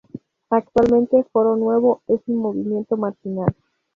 Actualmente Foro Nuevo es un movimiento marginal.